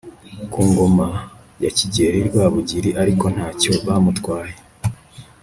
ku ngoma ya kigeri rwabugiri ariko nta cyo bamutwaye